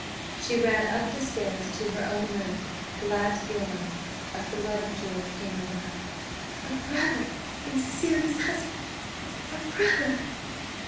She ran up stairs to her own room, glad to be alone; a flood of joy came over her. "A brother in Cecilia's husband! a brother!"